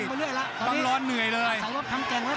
ต้องรอเหนื่อยเลย